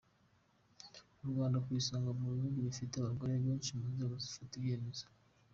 U Rwanda ku isonga mu bihugu bifite abagore benshi mu nzego zifata ibyemezo.